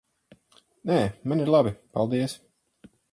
Nē, man ir labi. Paldies.